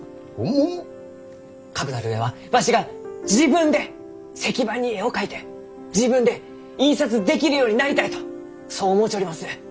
かくなる上はわしが自分で石版に絵を描いて自分で印刷できるようになりたいとそう思うちょります。